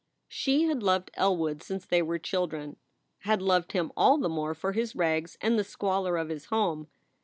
She had loved Elwood since they were children had loved him all the more for his rags and the squalor of his home.